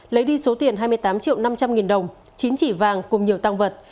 lấy đi số tiền hai mươi tám triệu năm trăm linh nghìn đồng chín chỉ vàng cùng nhiều tăng vật